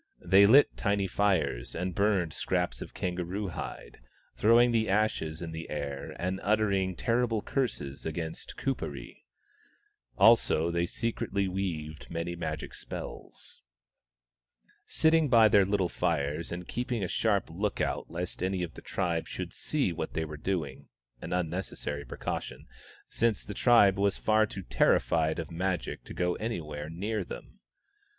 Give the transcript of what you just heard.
They lit tiny fires and burned scraps of kangaroo hide, throwing the ashes in the air and uttering terrible curses against Kuperee. Also they secretly weaved many magic spells. 20 THE STONE AXE OF BURKAMUKK sitting by their little fires and keeping a sharp look out lest any of the tribe should see what they were doing — an unnecessary precaution, since the tribe was far too terrified of Magic to go anywhere near them.